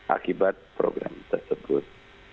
akibat program tersebut